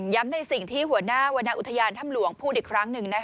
ในสิ่งที่หัวหน้าวรรณอุทยานถ้ำหลวงพูดอีกครั้งหนึ่ง